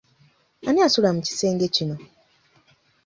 Ani asula mu kisenge kino?